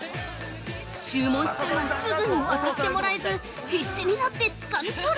◆注文してもすぐに渡してもらえず、必死になってつかみ取る。